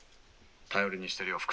「頼りにしてるよ副長」。